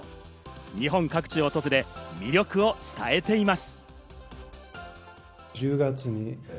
日本各地を訪れ、魅力を伝えています。